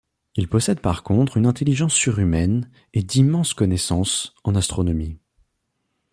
Il possède par contre une intelligence surhumaine et d’immenses connaissances en astronomie.